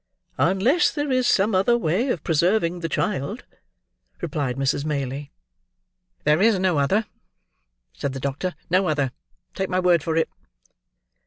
"Unless there is some other way of preserving the child," replied Mrs. Maylie. "There is no other," said the doctor. "No other, take my word for it."